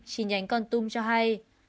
chi nhánh con tum cho hay